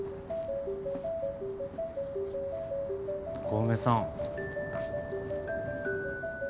小梅さん。